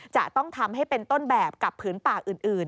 จะต้องทำให้เป็นต้นแบบกับผืนปากอื่น